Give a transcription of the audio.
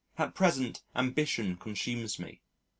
At present, ambition consumes me.